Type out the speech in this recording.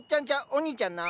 おにいちゃんな！